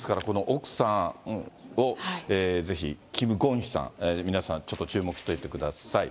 奥さんを、ぜひキム・ゴンヒさん、皆さん、ちょっと注目していてください。